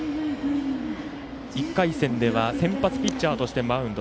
１回戦では先発ピッチャーとしてマウンド。